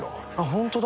ホントだ。